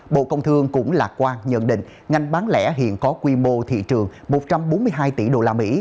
bộ công thương cũng lạc quan nhận định ngành bán lẻ hiện có quy mô thị trường một trăm bốn mươi hai tỷ usd